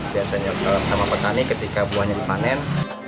biasanya sama petani ketika buahnya dipanen